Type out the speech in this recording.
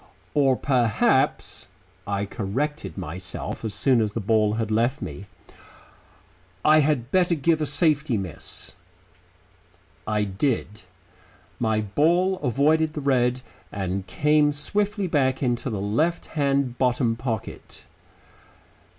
"Or perhaps," I corrected myself, as soon as the ball had left me, "I had better give a safety miss." I did. My ball avoided the red and came swiftly back into the left hand bottom pocket.